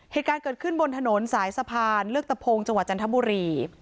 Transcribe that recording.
เหตุการณ์เกิดขึ้นบนถนนสายสะพานเลือกตะพงจังหวัดจันทบุรี